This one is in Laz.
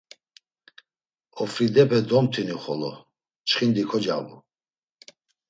Ofridepe domtinu xolo, çxindi kocabu.